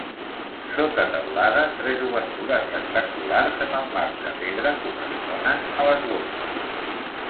Sota teulada, tres obertures rectangulars amb el marc de pedra corresponen a les golfes.